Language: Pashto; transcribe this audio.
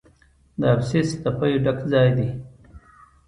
د ابسیس د پیو ډک ځای دی.